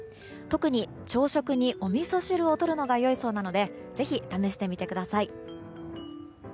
特に、朝食にお味噌汁をとるのが良いそうなのでぜひ試してみてください。